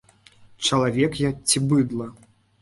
Чалавек я ці быдла?